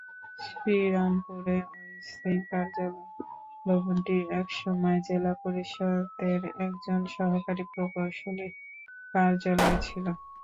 শ্রীরামপুরে অস্থায়ী কার্যালয় ভবনটি একসময় জেলা পরিষদের একজন সহকারী প্রকৌশলীর কার্যালয় ছিল।